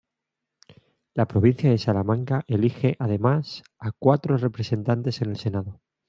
La provincia de Salamanca elige además a cuatro representantes en el Senado.